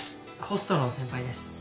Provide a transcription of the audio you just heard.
ホストの先輩です。